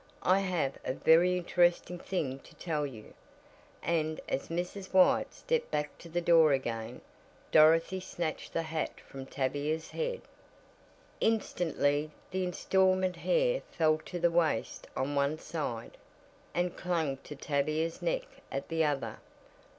I have a very interesting thing to tell you," and as Mrs. White stepped back to the door again, Dorothy snatched the hat from Tavia's head. Instantly the "installment" hair fell to the waist on one side, and clung to Tavia's neck at the other.